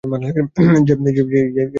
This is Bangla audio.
যে তোর বয়ফ্রেন্ড আছে?